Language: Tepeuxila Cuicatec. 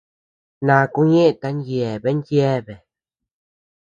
Ndaku ñeʼeta yaʼa yeabea.